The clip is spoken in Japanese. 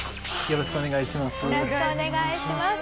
よろしくお願いします。